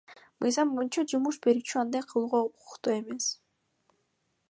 Мыйзам боюнча, жумуш берүүчү андай кылууга укуктуу эмес.